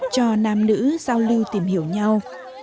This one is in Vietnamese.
cho nam nữ giao lưu tìm hiểu nhau